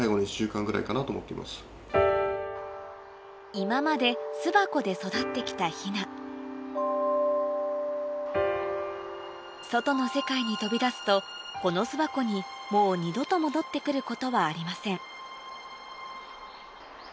今まで巣箱で育ってきたヒナ外の世界に飛び出すとこの巣箱にもう二度と戻ってくることはありません